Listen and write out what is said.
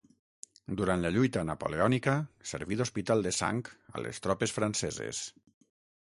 Durant la lluita napoleònica serví d'hospital de sang a les tropes franceses.